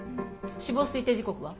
死亡推定時刻は？